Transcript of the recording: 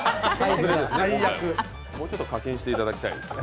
もうちょっと課金していただきたいですね。